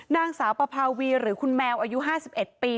นางสาวปภาวีหรือคุณแมวอายุ๕๑ปี